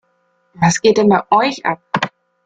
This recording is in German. Was geht denn bei euch ab?